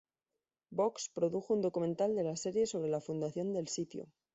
Vox produjo un documental de la serie sobre la fundación del sitio.